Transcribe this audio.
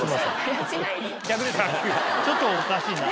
ちょっとおかしいな。